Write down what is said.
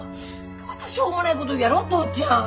またしょうもないこと言うやろ父ちゃん。